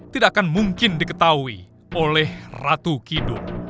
tidak akan mungkin diketahui oleh ratu kidung